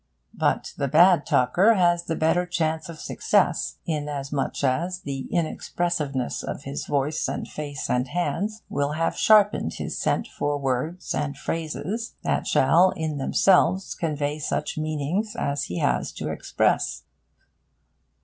But the bad talker has the better chance of success, inasmuch as the inexpressiveness of his voice and face and hands will have sharpened his scent for words and phrases that shall in themselves convey such meanings as he has to express.